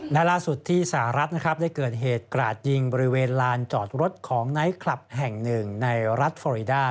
และล่าสุดที่สหรัฐนะครับได้เกิดเหตุกราดยิงบริเวณลานจอดรถของไนท์คลับแห่งหนึ่งในรัฐฟอรีดา